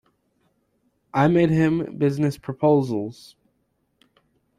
I made him business proposals.